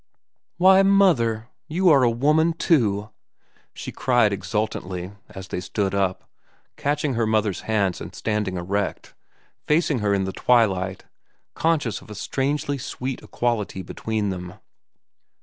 "Why, mother, you are a woman, too!" she cried exultantly, as they stood up, catching her mother's hands and standing erect, facing her in the twilight, conscious of a strangely sweet equality between them.